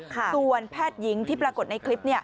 ส่วนแพทย์หญิงที่ปรากฏในคลิป